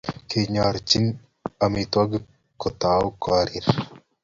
Kingororchi omitwogik kotou korir